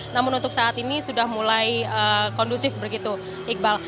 namun untuk saat ini sudah mulai kondusif begitu iqbal